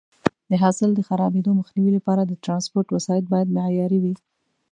د حاصل د خرابېدو مخنیوي لپاره د ټرانسپورټ وسایط باید معیاري وي.